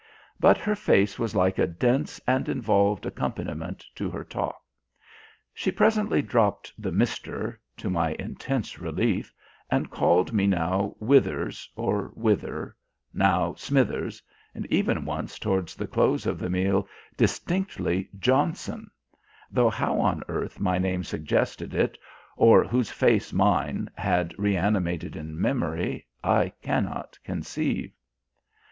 But her face was like a dense and involved accompaniment to her talk. She presently dropped the "Mr.," to my intense relief, and called me now Withers, or Wither, now Smithers, and even once towards the close of the meal distinctly Johnson, though how on earth my name suggested it, or whose face mine had reanimated in memory, I cannot conceive.